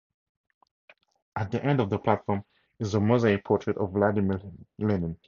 At the end of the platform is a mosaic portrait of Vladimir Lenin.